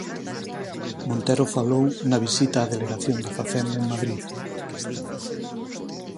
Montero falou na visita á delegación de Facenda en Madrid.